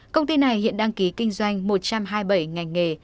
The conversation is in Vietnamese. công ty này hiện đăng ký kinh doanh một trăm hai mươi bảy ngành nghề